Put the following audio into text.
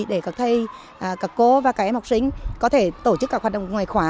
để các thầy các cô và các em học sinh có thể tổ chức các hoạt động ngoài khóa